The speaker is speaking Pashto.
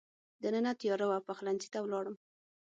دننه تېاره وه، پخلنځي ته ولاړم.